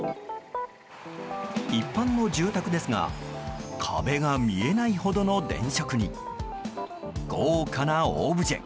一般の住宅ですが壁が見えないほどの電飾に豪華なオブジェ。